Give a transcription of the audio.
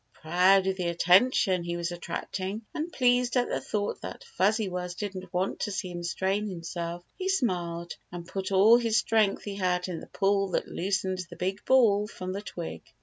Proud of the attention he was attracting, and pleased at the thought that Fuzzy Wuzz didn't want to see him strain himself, he smiled, and put all the strength he had in the pull that loos ened the big ball from the twig.